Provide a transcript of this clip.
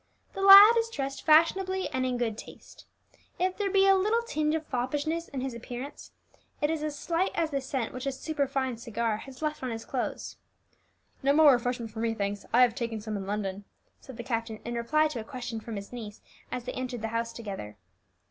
The lad is dressed fashionably and in good taste. If there be a little tinge of foppishness in his appearance, it is as slight as the scent which a superfine cigar has left on his clothes. "No more refreshment for me, thanks; I have taken some in London," said the captain in reply to a question from his niece as they entered the house together.